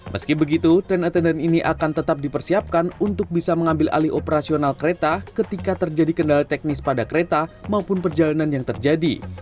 meski begitu train attendant ini akan tetap dipersiapkan untuk bisa mengambil alih operasional kereta ketika terjadi kendala teknis pada kereta maupun perjalanan yang terjadi